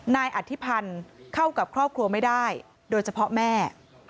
นายอธิพันธ์เข้ากับครอบครัวไม่ได้โดยเฉพาะแม่